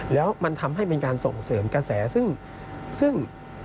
แล้วมันทำให้เป็นการส่งเสริมกระแสซึ่ง